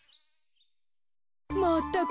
まったく。